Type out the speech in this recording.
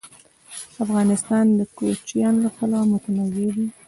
افغانستان د کوچیان له پلوه متنوع دی.